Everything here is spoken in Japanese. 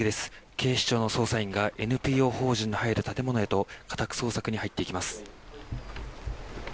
警視庁の捜査員がＮＰＯ法人の入る建物へと家宅捜索に入っていきます。